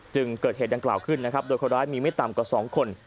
เกิดเหตุดังกล่าวขึ้นนะครับโดยคนร้ายมีไม่ต่ำกว่า๒คน